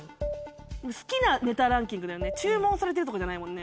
好きなネタランキングだよね注文されてるとかじゃないもんね。